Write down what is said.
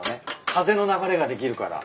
風の流れができるから。